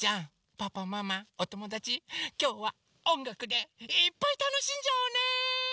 パパママおともだちきょうはおんがくでいっぱいたのしんじゃおうね！